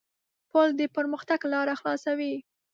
پُل د پرمختګ لاره خلاصوي.